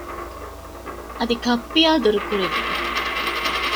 އަދި ކައްޕިއާ ދުރުކުރުވި